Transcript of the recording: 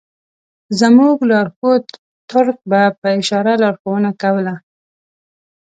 زموږ لارښود تُرک به په اشارو لارښوونه کوله.